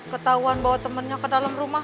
ketahuan bawa temannya ke dalam rumah